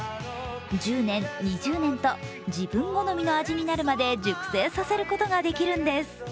１０年、２０年と自分好みの味になるまで熟成させることができるんです。